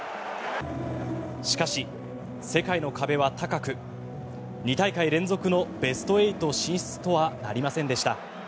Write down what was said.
しかし、世界の壁は高く２大会連続のベスト８進出とはなりませんでした。